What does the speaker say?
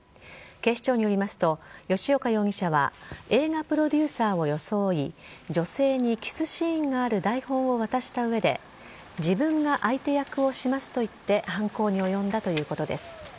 警視庁によりますと、吉岡容疑者は、映画プロデューサーを装い、女性にキスシーンがある台本を渡したうえで、自分が相手役をしますと言って犯行に及んだということです。